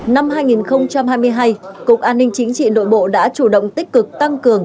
năm hai nghìn hai mươi hai cục an ninh chính trị nội bộ đã chủ động tích cực tăng cường